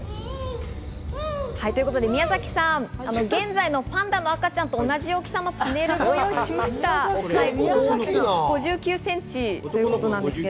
宮崎さん、現在のパンダの赤ちゃんと同じ大きさのパネルを用意しました。